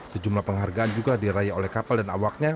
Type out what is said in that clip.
sejumlah penghargaan juga diraih oleh kapal dan awaknya